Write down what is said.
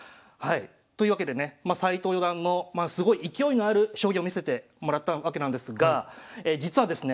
というわけでね斎藤四段のすごい勢いのある将棋を見せてもらったわけなんですが実はですね